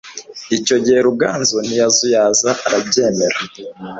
icyo gihe Ruganzu ntiyazuyaza arabyemera.